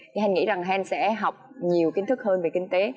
thì hèn nghĩ rằng hèn sẽ học nhiều kiến thức hơn về kinh tế